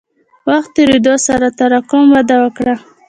وخت تېرېدو سره تراکم وده وکړه.